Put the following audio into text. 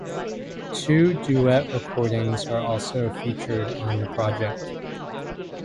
Two duet recordings are also featured on the project.